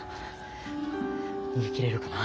逃げ切れるかな。